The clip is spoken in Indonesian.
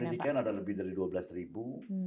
pendidikan ada lebih dari dua belas ribu